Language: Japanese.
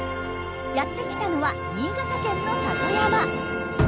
やって来たのは新潟県の里山。